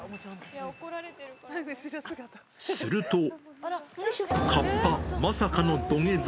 すると、河童、まさかの土下座。